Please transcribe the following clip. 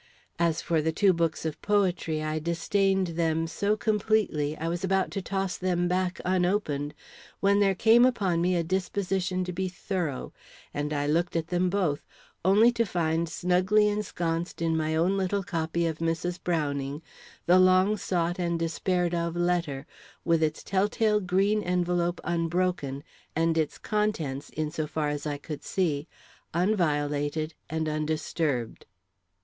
As for the two books of poetry, I disdained them so completely, I was about to toss them back unopened, when there came upon me a disposition to be thorough, and I looked at them both, only to find snugly ensconced in my own little copy of Mrs. Browning the long sought and despaired of letter, with its tell tale green envelope unbroken, and its contents, in so far as I could see, unviolated and undisturbed.